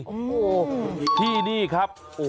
โอ้โหที่นี่ครับ